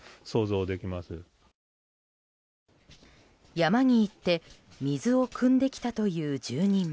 山に行って水をくんできたという住民も。